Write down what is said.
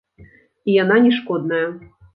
І яна не шкодная.